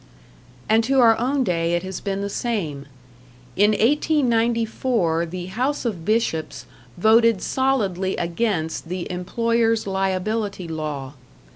And to our own day it has been the same. In 1894 the House of Bishops voted solidly against the Employers' Liability Law.